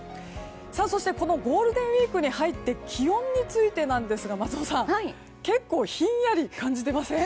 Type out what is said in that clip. そしてこのゴールデンウィークに入って気温についてなんですが松尾さん結構ひんやり感じていません？